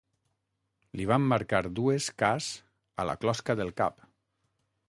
Li van marcar dues cas a la closca del cap!